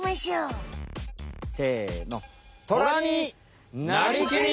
せの！